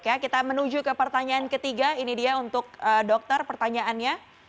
kita menuju ke pertanyaan ketiga ini dia untuk dokter pertanyaannya